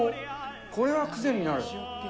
これは癖になる。